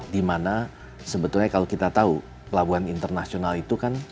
dimana sebetulnya kalau kita tahu pelabuhan internasional itu kan